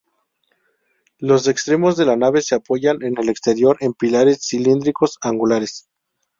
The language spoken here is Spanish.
Los extremos de la nave se apoyan en el exterior en pilares cilíndricos angulares.